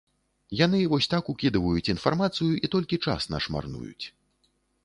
Яны вось так укідваюць інфармацыю і толькі час наш марнуюць.